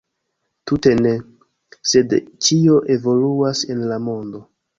Tute ne, sed ĉio evoluas en la mondo!